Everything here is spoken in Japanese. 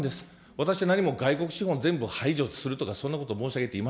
私、何も外国資本、全部排除するとか、そんなこと申し上げていま